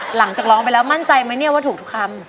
หลังจากร้องไปแล้วมั่นใจไหมเนี่ยว่าถูกทุกคำ